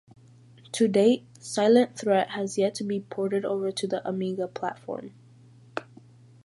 To date, "Silent Threat" has yet to be ported over to the Amiga platform.